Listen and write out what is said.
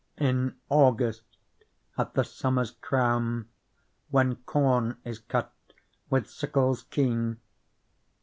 In August, at the summer's crown. When com is cut with sickles keen.